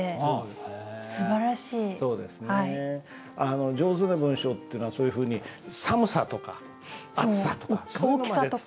あの上手な文章ってのはそういうふうに寒さとか暑さとか。